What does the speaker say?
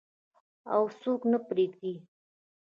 او څوک نه پریږدي.